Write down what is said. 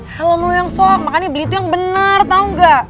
helm lo yang sok makanya beli tuh yang bener tau gak